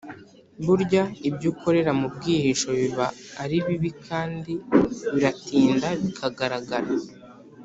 Burya ibyo ukorera mu bwihisho biba ari bibi kandi biratinda bikagaragara.